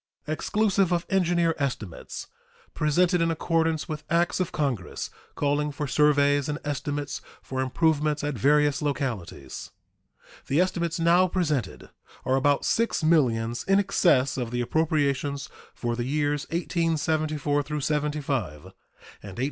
Exclusive of engineer estimates (presented in accordance with acts of Congress calling for surveys and estimates for improvements at various localities), the estimates now presented are about six millions in excess of the appropriations for the years 1874 75 and 1875 76.